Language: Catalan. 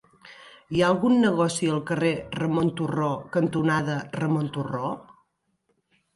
Hi ha algun negoci al carrer Ramon Turró cantonada Ramon Turró?